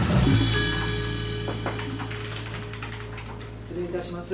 失礼いたします。